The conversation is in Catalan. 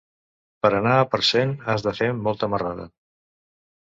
Per anar a Parcent has de fer molta marrada.